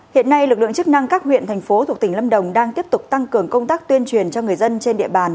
hiện nay lực lượng chức năng các huyện thành phố thuộc tỉnh lâm đồng đang tiếp tục tăng cường công tác tuyên truyền cho người dân trên địa bàn